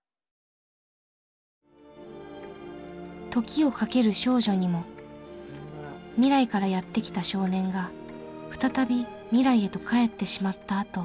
「時をかける少女」にも未来からやって来た少年が再び未来へと帰ってしまったあと。